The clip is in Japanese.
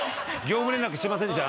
業務連絡してませんでした。